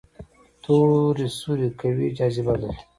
تور سوري قوي جاذبه لري.